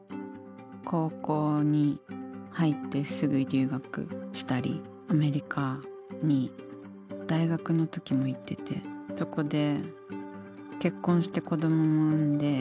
高校に入ってすぐ留学したりアメリカに大学の時も行っててそこで結婚して子どもも産んで。